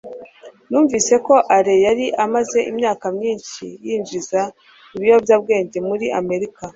numvise ko alain yari amaze imyaka myinshi yinjiza ibiyobyabwenge muri amerika